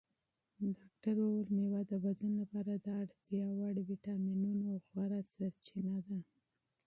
ډاکتر وویل مېوه د بدن لپاره د اړتیا وړ ویټامینونو غوره سرچینه ده.